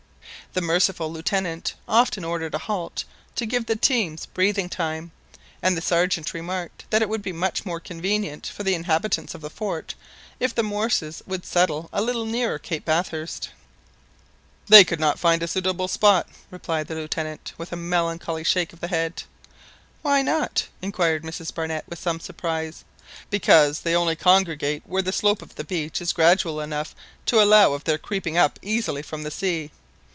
The merciful Lieutenant often ordered a halt to give the teams breathing time, and the Sergeant remarked that it would be much more convenient for the inhabitants of the fort, if the morses would settle a little nearer Cape Bathurst. "They could not find a suitable spot," replied the Lieutenant, with a melancholy shake of the head. "Why not?" inquired Mrs Barnett with some surprise. "Because they only congregate where the slope of the beach is gradual enough to allow of their creeping up easily from the sea.